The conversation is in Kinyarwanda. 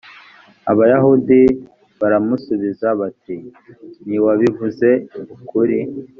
abayahudi baramusubiza bati ntitwabivuze ukuri